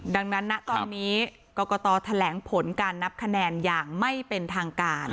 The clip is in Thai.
ดังนั้นนะตอนนี้กรกตแถลงผลการนับคะแนนอย่างไม่เป็นทางการ